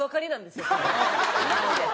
マジで！